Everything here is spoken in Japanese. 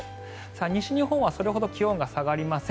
西日本はそれほど気温が下がりません。